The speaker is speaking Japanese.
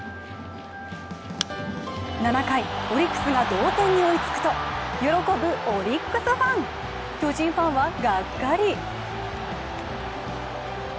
７回オリックスが同点に追いつくと、喜ぶオリックスファン巨人ファンはがっかり。